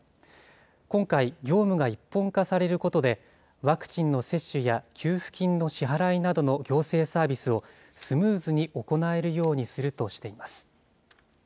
今回、業務が一本化されることで、ワクチンの接種や給付金の支払いなどの行政サービスを、スムーズに行えるようにするとしています。